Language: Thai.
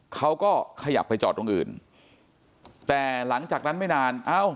เขาก็ขยับไปจอดตรงอื่นแต่หลังจากนั้นไม่นานเอ้า